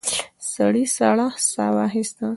سړي سړه ساه واخيسته.